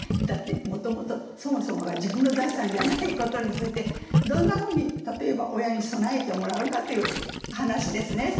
だってそもそもが自分の財産じゃないことについてどんなふうに例えば親に備えてもらうかという話ですね。